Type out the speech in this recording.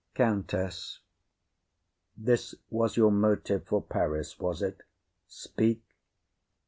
COUNTESS. This was your motive For Paris, was it? Speak.